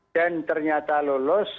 dan ternyata lolos